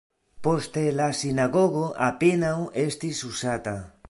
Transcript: Poste la sinagogo apenaŭ estis uzata.